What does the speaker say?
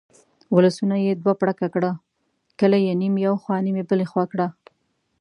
ولسونه یې دوه پړکه کړه، کلي یې نیم یو خوا نیم بلې خوا کړه.